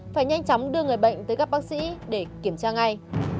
phải nhanh chóng đưa người bệnh tới các bác sĩ để kiểm tra ngay